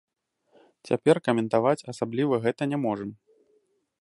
Цяпер каментаваць асабліва гэта не можам.